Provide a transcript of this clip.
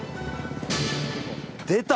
出た。